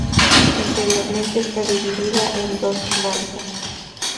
Interiormente está dividida en dos plantas.